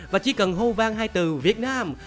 và chỉ cần hô vang hai từ việt nam